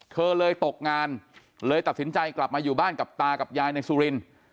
เธอเลยตกงานเลยตัดสินใจกลับมาอยู่บ้านกับตากับยายในสุรินทร์